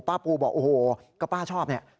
ปูบอกโอ้โหก็ป้าชอบเนี่ย